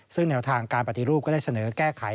ซึ่งแนวทางการปฏิรูปก็ได้เสนอแก้ไข